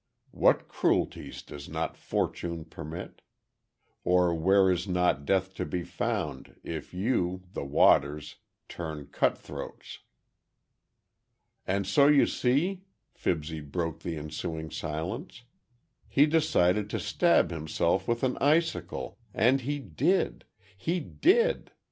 What cruelties does not Fortune permit? Or where is not death to be found, if you, the waters, turn cut throats. "And so you see," Fibsy broke the ensuing silence, "he decided to stab himself with an icicle, and he did. He did!"